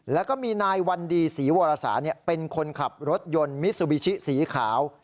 แล้วก็มีนายวันดีศรีวรสาเป็นคนขับรถยนต์มิซูบิชิสีขาว